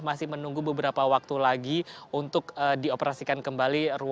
atau masih menunggu beberapa waktu lagi untuk dioperasikan kembali ruas tol kunciran